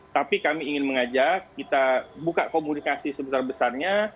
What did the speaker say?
tapi kami ingin mengajak kita buka komunikasi sebesar besarnya